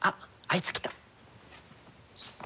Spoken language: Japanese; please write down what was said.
あいつ来た！